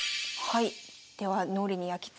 はい。